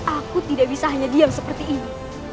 aku tidak bisa hanya diam seperti ini